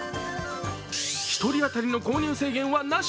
１人当たりの購入制限はなし。